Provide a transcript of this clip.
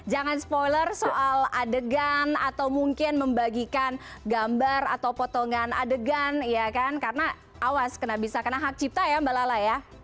jangan spoiler soal adegan atau mungkin membagikan gambar atau potongan adegan ya kan karena awas bisa kena hak cipta ya mbak lala ya